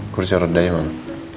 kurasa rada ya mama